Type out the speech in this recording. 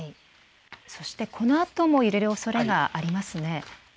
このあとも揺れるおそれがありますね。